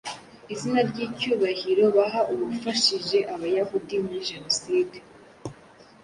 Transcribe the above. izina ry'icyubahiro baha uwafashije Abayahudi muri jenoside.